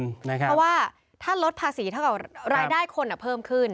เพราะว่าถ้าลดภาษีเท่ากับรายได้คนเพิ่มขึ้น